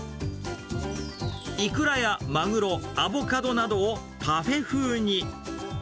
イクラやマグロ、アボカドなどをパフェ風に。